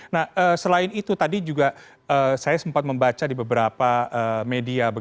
nah selain itu tadi juga saya sempat membaca di beberapa media